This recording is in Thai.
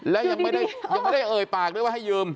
และยังไม่ได้เอ่ยปากด้วยว่าให้ยืม